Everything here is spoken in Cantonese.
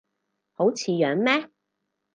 好似樣咩